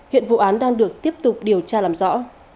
hiện vụ án đang được tiếp tục điều tra làm rõ